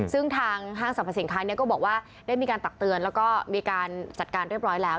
ซึ่งทางห้างสรรพสินค้าก็บอกว่าได้มีการตักเตือนแล้วก็มีการจัดการเรียบร้อยแล้ว